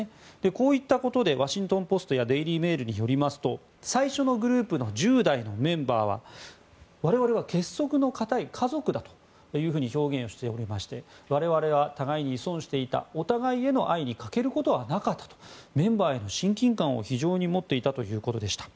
こういったことでワシントン・ポストやデイリー・メールによりますと最初のグループの１０代のメンバーは我々は結束の固い家族だというふうに表現しておりまして我々は、互いに依存していたお互いへの愛に欠けることはなかったとメンバーへの親近感を非常に持っていたということでした。